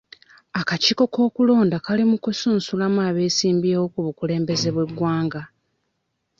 Akakiiko k'okulonda kali mu kusunsulamu abesimbyewo ku bukulembeze bw'eggwanga.